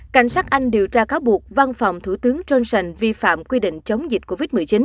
cảnh sát anh điều tra cáo buộc văn phòng thủ tướng johnson vi phạm quy định chống dịch covid một mươi chín